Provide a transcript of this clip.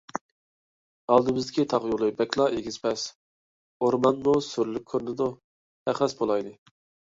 ئالدىمىزدىكى تاغ يولى بەكلا ئېگىز - پەس، ئورمانمۇ سۈرلۈك كۆرۈنىدۇ. پەخەس بولايلى.